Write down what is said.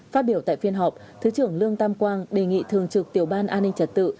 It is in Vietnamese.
phát biểu tại phiên họp thứ trưởng lương tam quang đề nghị thường trực tiểu ban an ninh trật tự